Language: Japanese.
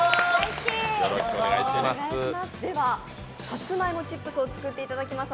さつまいもチップスを作っていただきます。